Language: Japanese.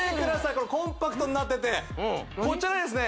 これコンパクトになっててこちらですね